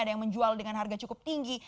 ada yang menjual dengan harga cukup tinggi